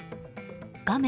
画面